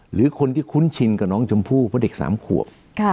หรือคนที่คุ้นชินกับน้องชมพู่เพราะเด็ก๓ขวบ